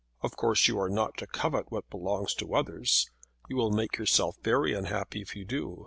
Of course you are not to covet what belongs to others. You will make yourself very unhappy if you do.